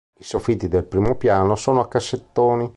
I soffitti del primo piano sono a cassettoni.